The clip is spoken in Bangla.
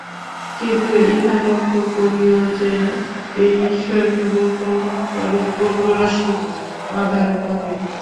কিন্তু ইহা লক্ষ্য করিও যে, এই ঈশ্বর কেবল কল্যাণকর গুণরাশির আধার নহেন।